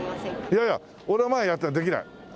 いやいや俺は前やったらできない。